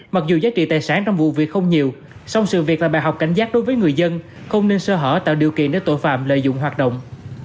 mặc dù giá trị tài sản trong vụ việc không nhiều song sự việc là bài học cảnh giác đối với người dân không nên sơ hở tạo điều kiện để tội phạm lợi dụng hoạt động